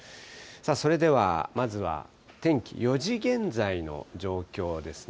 それではまずは天気、４時現在の状況ですね。